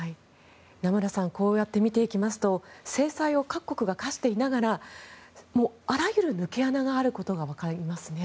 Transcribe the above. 名村さん、こうやって見ていきますと各国が制裁を科していながらあらゆる抜け穴があることが分かりますね。